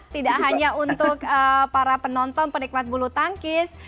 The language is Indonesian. tidak hanya untuk para penonton penikmat bulu tangkis